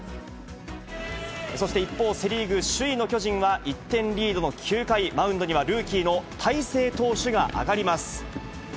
そして一方、セ・リーグ首位の巨人は１点リードの９回、マウンドにはルーキーの大勢投手が上がります。